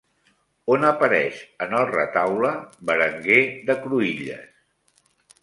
On apareix en el retaule Berenguer de Cruïlles?